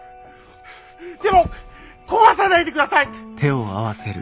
でも壊さないでください！